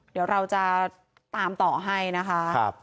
เดี๋ยวเราจะตามต่อให้นะคะ